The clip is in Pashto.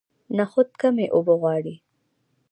نخود کمې اوبه غواړي.